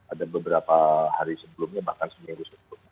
ada beberapa hari sebelumnya bahkan seminggu